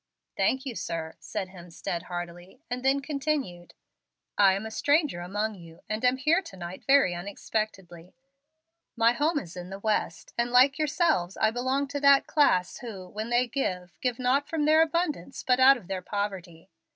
"Thank you, sir," said Hemstead, heartily, and then continued: "I am a stranger among you, and am here to night very unexpectedly. My home is in the West, and, like yourselves, I belong to that class who, when they give, give not from their abundance, but out of their poverty.